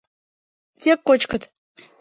— Тек кочкыт...